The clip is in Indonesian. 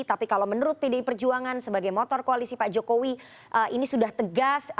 tapi kalau menurut pdi perjuangan sebagai motor koalisi pak jokowi ini sudah tegas